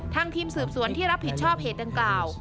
ทางทีมสืบสวนที่รับผิดชอบเหตุก่าว